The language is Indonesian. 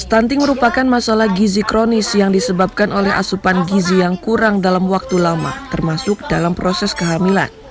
stunting merupakan masalah gizi kronis yang disebabkan oleh asupan gizi yang kurang dalam waktu lama termasuk dalam proses kehamilan